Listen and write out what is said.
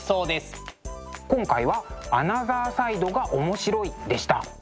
今回は「アナザーサイドがおもしろい！」でした。